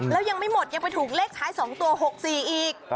แล้วยังไม่หมดยังไปถูกเลขท้าย๒ตัว๖๔อีก